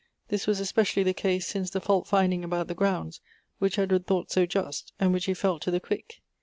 This was especially the case since the fault finding about the grounds, which Edward thought so just, and which he felt to the quick.